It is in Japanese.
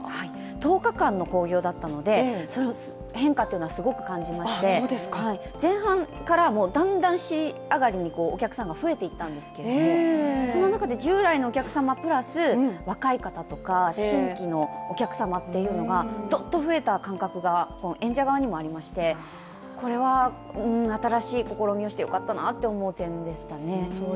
１０日間の興行だったので変化っていうのはすごく感じまして、前半からだんだん尻上がりにお客さんが増えていったんですけれども、その中で従来のお客様プラス若い方とか新規のお客様というのがどっと増えた感覚が演者側でも感じましてこれは新しい試みをしてよかったなと思う点でしたね。